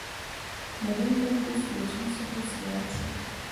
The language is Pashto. د هند نفوس له چین څخه زیات شو.